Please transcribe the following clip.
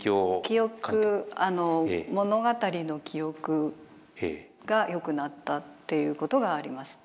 記憶物語の記憶が良くなったっていうことがあります。